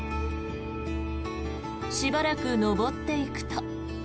しばらく登っていくと。